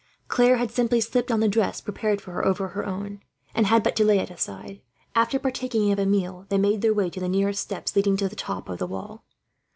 Claire had simply slipped on the dress prepared for her over her own, and had but to lay it aside. After partaking of a meal, they made their way to the nearest steps leading to the top of the wall.